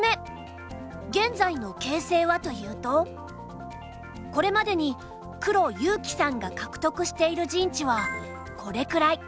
現在の形勢はというとこれまでに黒悠生さんが獲得している陣地はこれくらい。